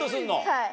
はい。